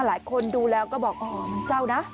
หลายคนดูแล้วก็บอกอ๋อมันเจ้านะ